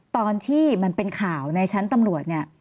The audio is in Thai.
ตอนที่มันเป็นข่าวในชั้นตำรวจเนี่ย